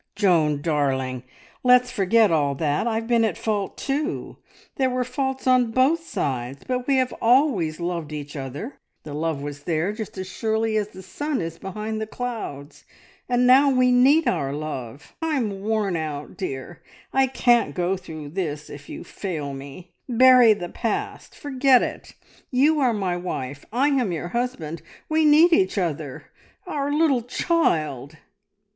"Joan, darling, let's forget all that. I've been at fault too; there were faults on both sides, but we have always loved each other; the love was there just as surely as the sun is behind the clouds. And now ... we need our love... I I'm worn out, dear. I can't go through this if you fail me. Bury the past, forget it. You are my wife, I am your husband we need each other. Our little child!"